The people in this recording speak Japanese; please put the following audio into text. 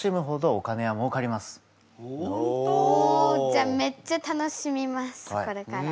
じゃあめっちゃ楽しみますこれから。